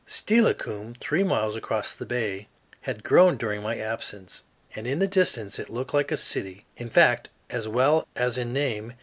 ] Steilacoom, three miles across the bay, had grown during my absence, and in the distance it looked like a city in fact as well as in name.